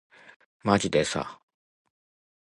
まじでさ